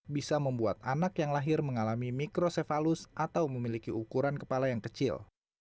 bisa membuat anak yang lahir mengalami mikrosefalus atau memiliki ukuran kepala yang kecil